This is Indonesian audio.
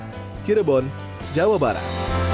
dari komara cirebon jawa barat